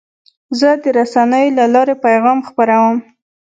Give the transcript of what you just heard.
زه د رسنیو له لارې پیغام خپروم.